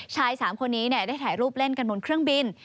ชาย๓คนนี้ได้ถ่ายรูปเล่นกันบนเครื่องบิน